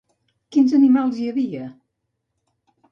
Quins animals hi havia?